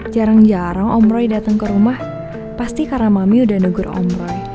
jarang jarang om roy dateng ke rumah pasti karena mami udah negur om roy